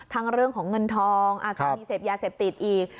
เรื่องของเงินทองก็มีเสพยาเสพติดอีก